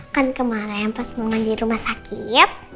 kan kemarin pas mau mandi rumah sakit